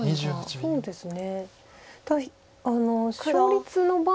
そうですね。